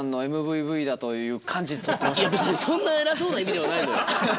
いや別にそんな偉そうな意味ではないのよ。